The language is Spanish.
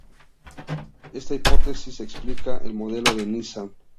Esta hipótesis explica el modelo de Niza.